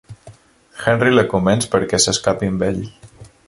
Henry la convenç perquè s'escapi amb ell.